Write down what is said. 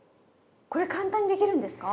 これ簡単にできるんですか？